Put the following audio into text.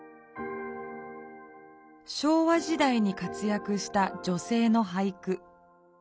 昭和時代に活やくした女性の俳句。